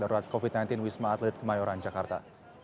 larua covid sembilan belas wisma athlete kemayoran jakarta